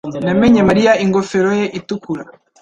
Namenye Mariya ingofero ye itukura